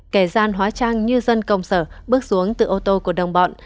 kẻ gian hóa trang như dân công sở bước xuống từ ô tô của đồng bọn